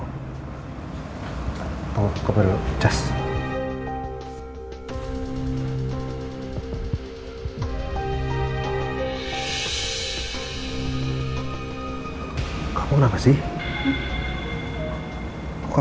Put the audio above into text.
hai kau berusia